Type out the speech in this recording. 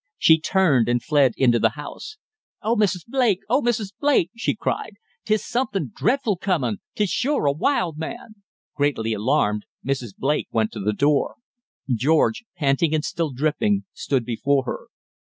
She turned and fled into the house. "O Mrs. Blake! O Mrs. Blake!" she cried, "'tis somethin' dreadful comin'! 'tis sure a wild man!" Greatly alarmed, Mrs. Blake went to the door. George, panting and still dripping, stood before her.